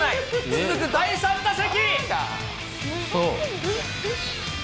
続く第３打席。